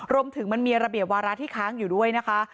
มันมีระเบียบวาระที่ค้างอยู่ด้วยนะคะ